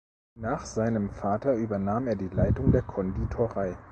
Nach seinem Vater übernahm er die Leitung der Konditorei.